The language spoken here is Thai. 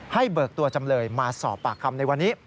เบิกตัวจำเลยมาสอบปากคำในวันนี้